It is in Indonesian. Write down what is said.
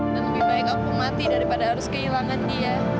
dan lebih baik aku mati daripada harus kehilangan dia